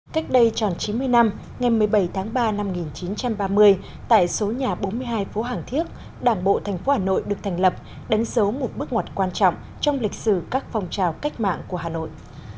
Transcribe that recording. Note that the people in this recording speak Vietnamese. cách đây tròn chín mươi năm ngày một mươi bảy tháng ba năm một nghìn chín trăm ba mươi tại số nhà bốn mươi hai phố hàng thiếc đảng bộ thành phố hà nội được thành lập đánh dấu một bước ngoặt quan trọng trong lịch sử các phong trào cách mạng của hà nội